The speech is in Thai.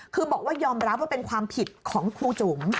คือบอกว่ายอมรับว่าเป็นความผิดของครูจุ๋ม